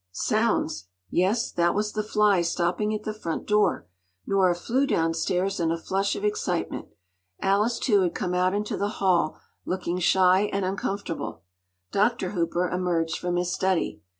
Sounds! Yes, that was the fly stopping at the front door! Nora flew downstairs, in a flush of excitement. Alice too had come out into the hall, looking shy and uncomfortable. Dr. Hooper emerged from his study.